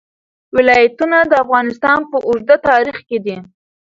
ولایتونه د افغانستان په اوږده تاریخ کې دي.